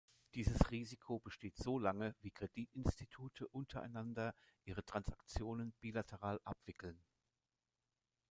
Dieses Risiko besteht solange, wie Kreditinstitute untereinander ihre Transaktionen bilateral abwickeln.